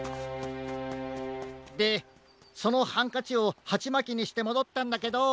でそのハンカチをハチマキにしてもどったんだけど。